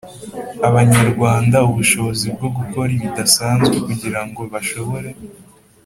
Abanyarwanda ubushobozi bwo gukora bidasanzwe kugira ngo bashobore